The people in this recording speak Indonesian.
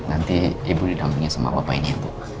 nanti ibu didampingi sama bapak ini ya bu